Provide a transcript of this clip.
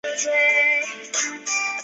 他是荒诞派戏剧的重要代表人物。